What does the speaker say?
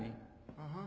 ああ。